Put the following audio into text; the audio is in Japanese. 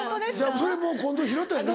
それもう近藤拾ったよな